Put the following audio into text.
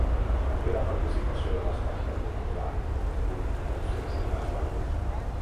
També la participació de l'espectador en l'art, un dels seus pilars bàsics.